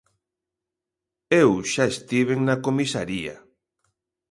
Eu xa estiven na comisaría.